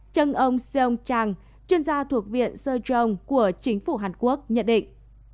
trần ông seong chang chuyên gia thuộc viện seo jong của chính phủ hàn quốc nhận định